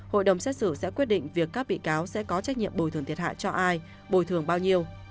hội đồng xét xử sẽ quyết định việc các bị cáo sẽ có trách nhiệm bồi thường thiệt hại cho ai bồi thường bao nhiêu